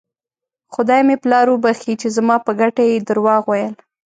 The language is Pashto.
خدای مې پلار وبښي چې زما په ګټه یې درواغ ویل.